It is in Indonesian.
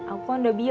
aku kan udah bilang